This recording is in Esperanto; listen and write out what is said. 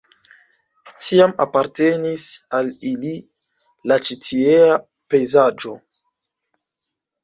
Tiam apartenis al ili la ĉi tiea pejzaĝo.